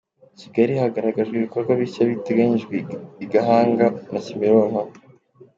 Kigali Hagaragajwe ibikorwa bishya biteganyijwe i Gahanga na Kimironko